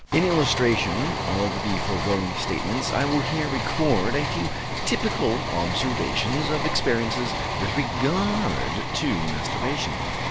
In illustration of the foregoing statements I will here record a few typical observations of experiences with regard to masturbation.